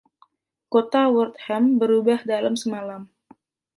Kota Wortham berubah dalam semalam.